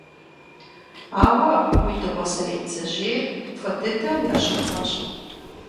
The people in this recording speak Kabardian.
Ауэ уи дыгъуасэрей бдзэжьейр фӀы дыдэу ящэхуащ.